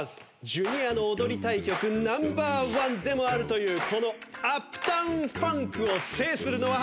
Ｊｒ．の踊りたい曲ナンバーワンでもあるというこの『アップタウン・ファンク』を制するのは果たしてどちらか？